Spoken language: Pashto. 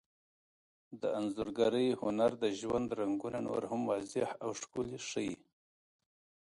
د انځورګرۍ هنر د ژوند رنګونه نور هم واضح او ښکلي ښيي.